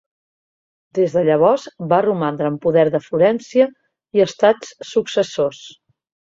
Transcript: Des de llavors va romandre en poder de Florència i estats successors.